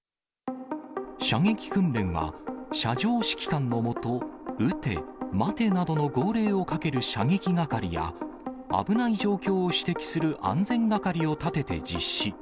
射撃訓練は、射場指揮官の下、撃て、待てなどの号令をかける射撃係や、危ない状況を指摘する安全係を立てて実施。